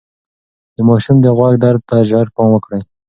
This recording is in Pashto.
د ماشوم د غوږ درد ته ژر پام وکړئ.